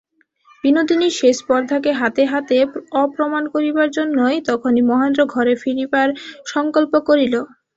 বিনোদিনীর সেই স্পর্ধাকে হাতে হাতে অপ্রমাণ করিবার জন্যই তখনি মহেন্দ্র ঘরে ফিরিবার সংকল্প করিল।